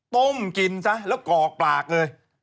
ต้มกินซะแล้วกอกปากเลย